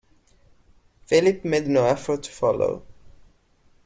Philip made no effort to follow.